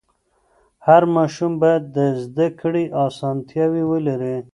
هر ماشوم باید د زده کړې اسانتیا ولري.